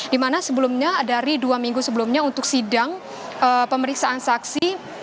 dimana sebelumnya dari dua minggu sebelumnya untuk sidang pemeriksaan saksi